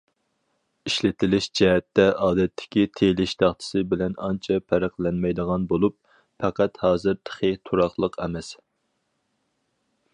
ئىشلىتىلىشى جەھەتتە ئادەتتىكى تېيىلىش تاختىسى بىلەن ئانچە پەرقلەنمەيدىغان بولۇپ، پەقەت ھازىر تېخى تۇراقلىق ئەمەس.